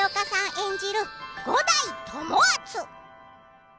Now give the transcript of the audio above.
演じる五代友厚。